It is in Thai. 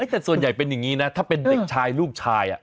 แต่ส่วนใหญ่เป็นอย่างนี้นะถ้าเป็นเด็กชายลูกชาย